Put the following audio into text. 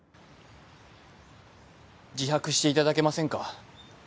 自白していただけませんか？